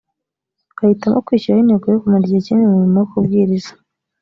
bahitamo kwishyiriraho intego yo kumara igihe kinini mu murimo wo kubwiriza